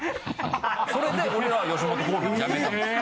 ・それで俺らは吉本興業をやめたんですよ。